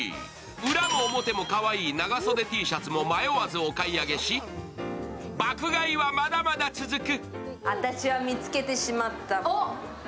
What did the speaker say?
裏も表もかわいい長袖Ｔシャツを迷わずお買い上げし、爆買いはまだまだ続く。